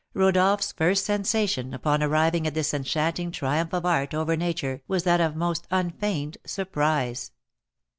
Rodolph's first sensation upon arriving at this enchanting triumph of art over nature was that of most unfeigned surprise.